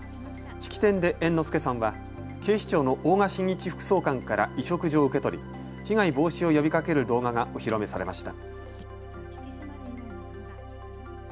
式典で猿之助さんは警視庁の大賀眞一副総監から委嘱状を受け取り被害防止を呼びかける動画がお披露目されました。